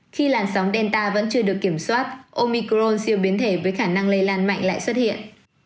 khi làn sóng delta vẫn chưa được kiểm soát omicro siêu biến thể với khả năng lây lan mạnh lại xuất hiện